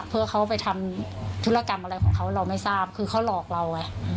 เพื่อเขาไปทำธุรกรรมอะไรของเขาเราไม่ทราบคือเขาหลอกเราไง